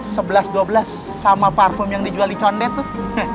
sebelas dua belas sama parfum yang dijual di condet tuh